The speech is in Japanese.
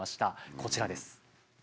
こちらです。